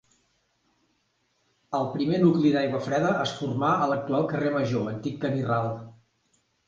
El primer nucli d'Aiguafreda es formà a l'actual carrer Major, antic camí ral.